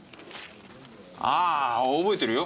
ああ覚えてるよ。